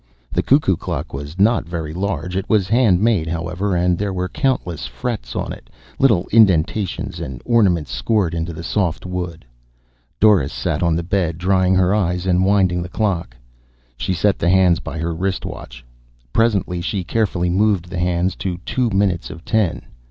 The cuckoo clock was not very large. It was hand made, however, and there were countless frets on it, little indentations and ornaments scored in the soft wood. Doris sat on the bed drying her eyes and winding the clock. She set the hands by her wristwatch. Presently she carefully moved the hands to two minutes of ten.